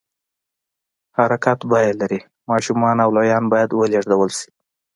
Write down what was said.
حرکت بیه لري، ماشومان او لویان باید ولېږدول شي.